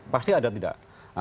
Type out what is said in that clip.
pasti ada tidak